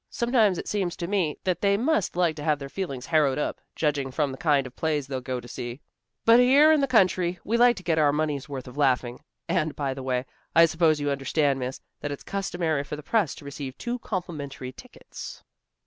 Sometimes it seems to me that they must like to have their feelings harrowed up, judging from the kind of plays they go to see. But here in the country, we like to get our money's worth of laughing. And, by the way, I suppose you understand, Miss, that it's customary for the Press to receive two complimentary tickets."